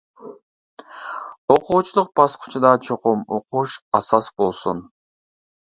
ئوقۇغۇچىلىق باسقۇچىدا چوقۇم ئوقۇش ئاساس بولسۇن.